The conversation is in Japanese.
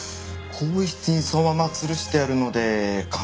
更衣室にそのままつるしてあるので可能ですね。